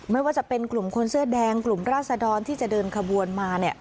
ไม่ว่าจะเป็นกลุ่มคนเสื้อแดงกลุ่มราศดรที่จะเดินขบวนมา